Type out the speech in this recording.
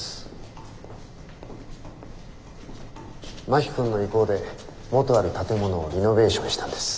真木君の意向で元ある建物をリノベーションしたんです。